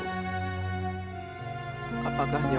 apakah aku sudah terima insights tentang atasnya